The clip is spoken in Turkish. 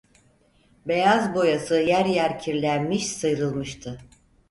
Beyaz boyası yer yer kirlenmiş, sıyrılmıştı.